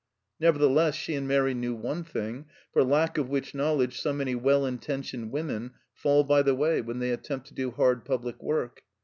Nevertheless, she and Mairi knew one thing, for lack of which knowledge so many well intentioned women fall by the way when they attempt to do hard public work.